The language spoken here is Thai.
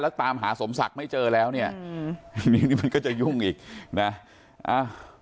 แล้วตามหาสมศักดิ์ไม่เจอแล้วเนี่ยอืมทีนี้นี่มันก็จะยุ่งอีกนะอ่า